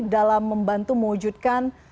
dalam membantu muyukkan